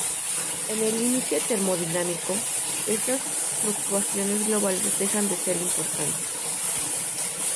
En el límite termodinámico, estas fluctuaciones globales dejan de ser importantes.